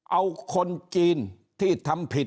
เอาคนจีนที่ทำผิด